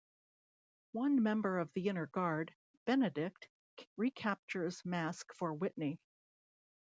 One member of the Inner Guard, Benedict, recaptures Masque for Whitney.